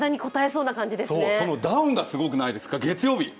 そう、そのダウンがすごくないですか、月曜日。